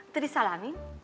itu di salami